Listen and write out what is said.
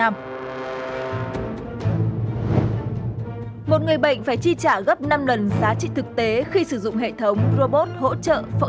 một người bệnh phải chi trả gấp năm lần giá trị thực tế khi sử dụng hệ thống robot hỗ trợ phẫu thuật